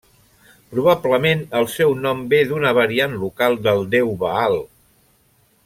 Probablement el seu nom ve d'una variant local del déu Baal.